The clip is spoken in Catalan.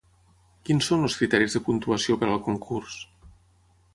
Quins són els criteris de puntuació per al concurs?